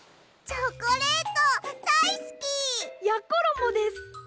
チョコレートだいすき！やころもです。